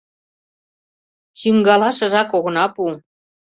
Чӱҥгалашыжак огына пу.